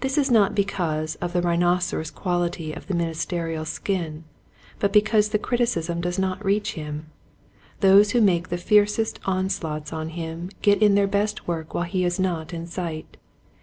This is not because of the rhinoceros quaUty of the ministerial skin, but because the criticism does not reach him. Those who make the fiercest onslaughts on him get in their best work when he is not in sight.